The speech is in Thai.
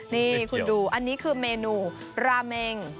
นี่คุณดูอันนี้คือเมนูราเมง